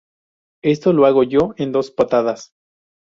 Esto lo hago yo en dos patadas